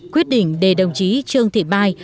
quyết định để đồng chí trương thị mai